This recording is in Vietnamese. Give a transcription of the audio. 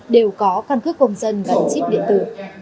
đều có cân cước công dân gắn chip điện tử